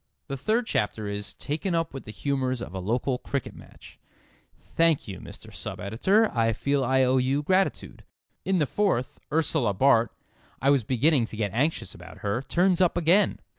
The third chapter is "taken up with the humours of a local cricket match." Thank you, Mr. Sub editor. I feel I owe you gratitude. In the fourth, Ursula Bart (I was beginning to get anxious about her) turns up again.